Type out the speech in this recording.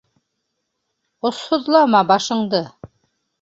Осһоҙлама башыңды.